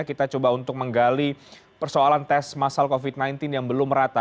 kita coba untuk menggali persoalan tes masal covid sembilan belas yang belum rata